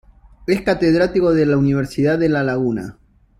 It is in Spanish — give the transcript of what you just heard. Es catedrático de la Universidad de La Laguna.